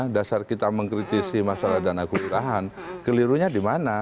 dasar kita mengkritisi masalah dana kelurahan kelirunya di mana